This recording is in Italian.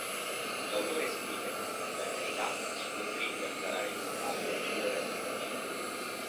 L'autore scrive: "La carità ci costringe a calare il sipario sul resto della scena.